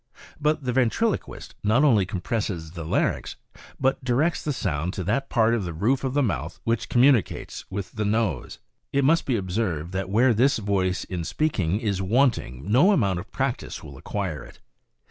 But the ventriloquist not only com presses the larynx, but directs the sound to that part of the roof of the mouth which communicates with the nose. It must be observed that where this voice in speaking is wanting, no amount of prac tice will acquire it.